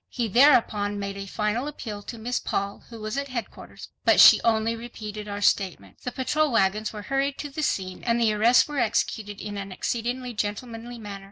He thereupon made a final appeal to Miss Paul, who was at headquarters, but she only repeated our statement. The patrol wagons were hurried to the scene and the arrests were executed in an exceedingly gentlemanly manner.